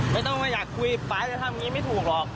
ไม่ต้องว่าอยากคุยเปล่าใครอยีกนี้ไม่ถูกหลอก